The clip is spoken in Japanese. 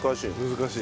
難しい。